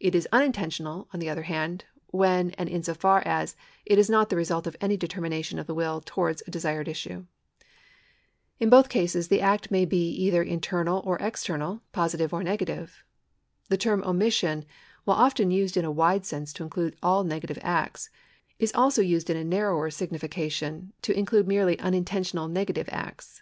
It is uninten tional, on the other hand, when, and in so far as, it is not the result of any determination of the will towards a desired issue. In both cases the act may be either internal or external, positive or negative. The term omission, while often used in a wide sense to include all negative acts, is also used in a narrower signification to include merely unintentional nega tive acts.